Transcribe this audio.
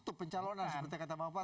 itu pencalonan seperti kata bang patra